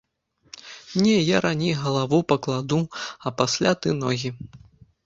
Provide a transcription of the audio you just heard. Не, я раней галаву пакладу, а пасля ты ногі.